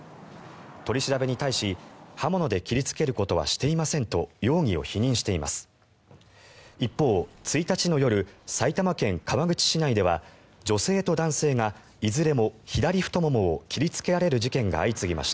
取り調べに対し刃物で切りつけることはしていませんと容疑を否認しています。